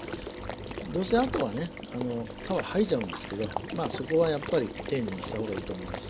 どうせあとはね皮剥いじゃうんですけどまあそこはやっぱり丁寧にした方がいいと思います。